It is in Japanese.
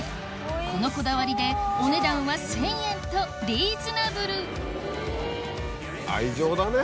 このこだわりでお値段は１０００円とリーズナブルそうですね。